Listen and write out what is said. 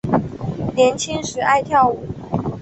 年轻时爱跳舞。